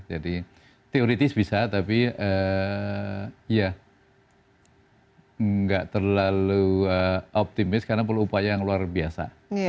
jadi teoretis bisa tapi ya enggak terlalu optimis karena perlu upaya yang luar biasa